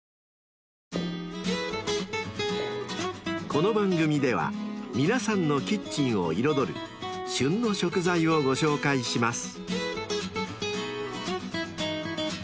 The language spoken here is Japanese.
［この番組では皆さんのキッチンを彩る「旬の食材」をご紹介します］